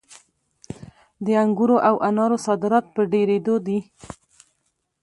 د انګورو او انارو صادرات په ډېرېدو دي.